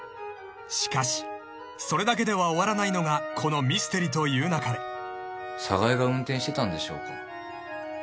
［しかしそれだけでは終わらないのがこの『ミステリと言う勿れ』］寒河江が運転してたんでしょうか？